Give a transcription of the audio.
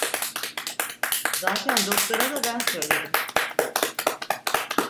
Zaten doktora da ben söyledim…